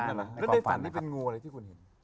แล้วในฝันนี่เป็นงูอะไรที่คุณเห็น